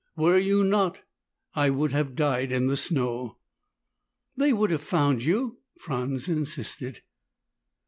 "Were you not, I would have died in the snow." "They would have found you," Franz insisted.